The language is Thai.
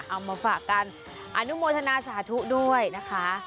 เอามาฝากกันอนุโมทนาสาธุด้วยนะคะ